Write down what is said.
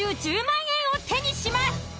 １０万円を手にします。